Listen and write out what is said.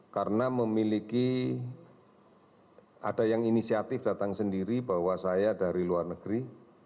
karena memiliki ada yang inisiatif datang sendiri bahwa saya dari luar negeri